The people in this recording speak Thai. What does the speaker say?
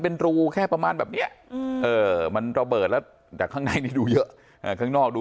เป็นรูแค่ประมาณแบบเนี้ยมันระเบิดแล้วแต่ข้างในนี้ดูเยอะข้างนอกดู